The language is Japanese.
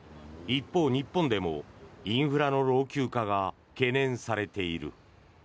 一方、日本でもインフラの老朽化が懸念されている。